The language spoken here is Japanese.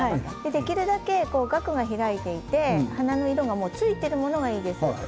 できるだけガクが開いていて花の色がついている方がいいです。